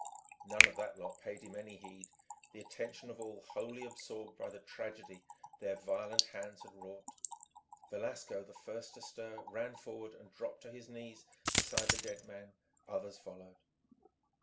None of that lot paid him any heed, the attention of all wholly absorbed by the tragedy their violent hands had wrought. Velasco, the first to stir, ran forward and dropped to his knees beside the dead man. Others followed.